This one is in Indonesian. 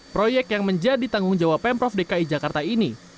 proyek yang menjadi tanggung jawab pemprov dki jakarta ini